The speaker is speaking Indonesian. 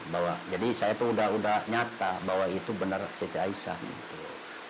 bahwa jadi saya tuh udah nyata bahwa itu benar siti aisyah gitu